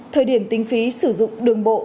thời điểm tính phí sử dụng đường bộ